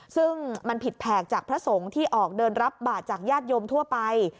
ซึ่งมันผิดแผกจากพระสงฆ์ที่ออกเดินรับบาทจากญาติโยมทั่วไป